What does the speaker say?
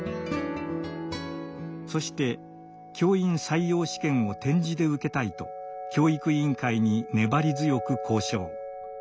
そして「教員採用試験を点字で受けたい」と教育委員会に粘り強く交渉。